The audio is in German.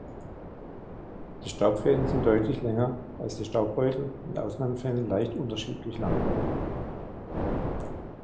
Die Staubfäden sind deutlich länger als die Staubbeutel und in Ausnahmefällen leicht unterschiedlich lang.